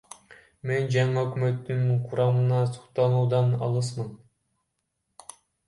Мен жаңы өкмөттүн курамына суктануудан алысмын.